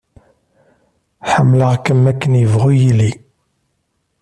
Ḥemmleɣ-kem akken yebɣu yili.